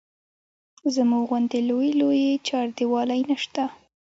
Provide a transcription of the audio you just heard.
زموږ غوندې لویې لویې چاردیوالۍ نه شته.